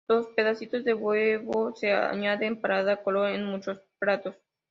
Los pedacitos de huevo se añaden para dar color en muchos platos.